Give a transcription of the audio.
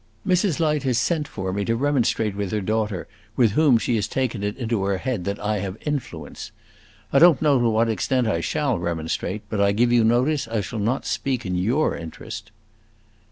"Mrs. Light has sent for me to remonstrate with her daughter, with whom she has taken it into her head that I have influence. I don't know to what extent I shall remonstrate, but I give you notice I shall not speak in your interest."